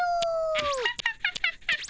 アハハハハハハ。